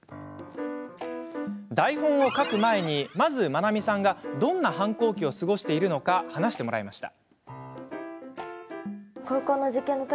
台本を書く前にまず、まなみさんがどんな反抗期を過ごしているのか話してもらいました。